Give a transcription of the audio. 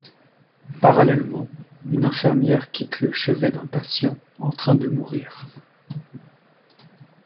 Parallèlement, une infirmière quitte le chevet d'un patient en train de mourir.